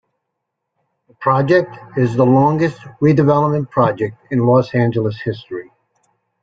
The project is the longest redevelopment project in Los Angeles history.